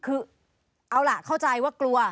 คือเอาล่ะเข้าใจว่ากลัว